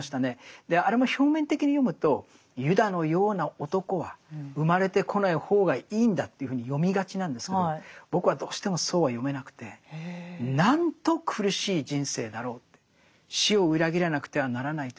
あれも表面的に読むとユダのような男は生まれてこない方がいいんだというふうに読みがちなんですけど僕はどうしてもそうは読めなくてなんと苦しい人生だろうって。